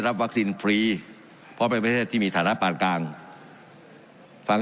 รับวัคซีนฟรีเพราะเป็นประเทศที่มีฐานะปานกลางฟัง